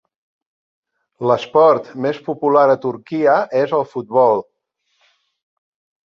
L'esport més popular a Turquia és el futbol.